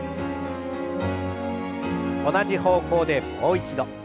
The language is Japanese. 同じ方向でもう一度。